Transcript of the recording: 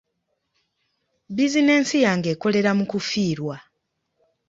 Bizinensi yange ekolera mu kufiirwa.